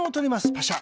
パシャ。